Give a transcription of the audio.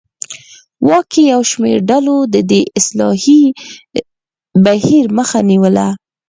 واک کې یو شمېر ډلو د دې اصلاحي بهیر مخه نیوله.